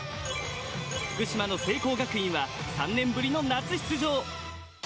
福島の聖光学院は３年ぶりの夏出場。